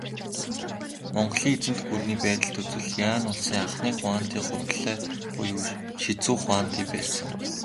Монголын эзэнт гүрний байдалд үзвэл, Юань улсын анхны хуанди Хубилай буюу Шизү хуанди байсан.